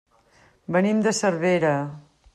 Venim de Cervera.